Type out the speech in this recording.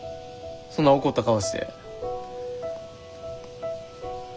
そんな怒った顔して。